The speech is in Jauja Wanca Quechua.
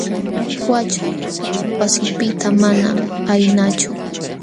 Yaćhay wasipiqta manam ayqinachu.